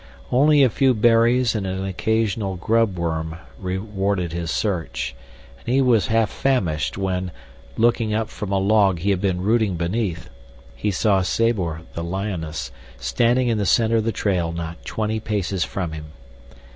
Only a few berries and an occasional grub worm rewarded his search, and he was half famished when, looking up from a log he had been rooting beneath, he saw Sabor, the lioness, standing in the center of the trail not twenty paces from him.